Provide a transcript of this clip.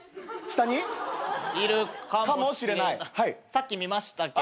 さっき見ましたけど。